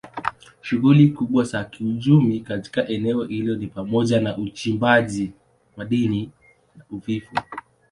Shughuli kubwa za kiuchumi katika eneo hilo ni pamoja na uchimbaji madini na uvuvi.